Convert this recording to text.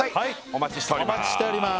お待ちしております